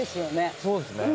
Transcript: そうですね。